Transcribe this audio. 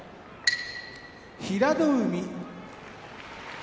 平戸海